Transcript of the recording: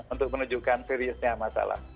untuk menunjukkan seriusnya masalah